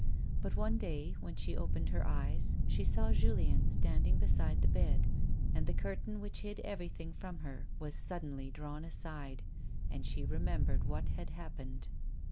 But one day, when she opened her eyes, she saw Julien standing beside A WOMAN'S LIFE. 109 the bed, and the curtain which hid everything from her was suddenly drawn aside, and she remembered what had happened.